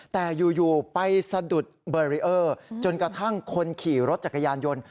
แต่อยู่ไปสะดุดเบอร์เรียร์